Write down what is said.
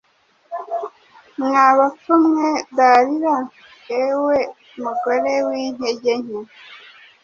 Mwa bapfu mwe Dalila! Ewe mugore w'intege nke!